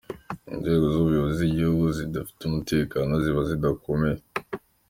Inzego z’Ubuyobozi z’igihugu kidafite umutekano ziba zidakomeye.